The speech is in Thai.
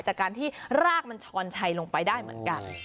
จากการที่รากมันช้อนชัยลงไปได้เหมือนกัน